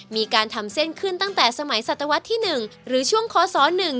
มีการทำเส้นขึ้นตั้งแต่สมัยศตวรรษที่๑หรือช่วงคศ๑